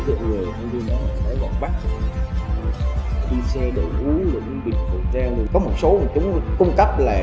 dụng người như nói gọi bắt đi xe đẩy uống là những bịt cổ tre có một số chúng cung cấp là